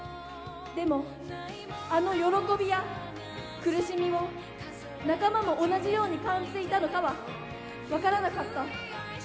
でも、あの喜びや苦しみを、仲間も同じように感じていたのかは分からなかった。